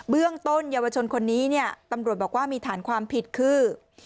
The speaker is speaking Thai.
เรื่องต้นเยาวชนคนนี้เนี่ยตำรวจบอกว่ามีฐานความผิดคือ